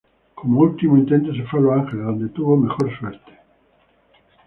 Como último intento se fue a Los Ángeles, donde tuvo mejor suerte.